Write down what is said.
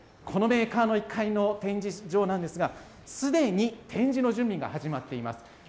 このメーカーの１階の展示場なんですが、すでに展示の準備が始まっています。